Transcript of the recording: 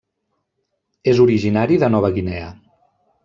És originari de Nova Guinea.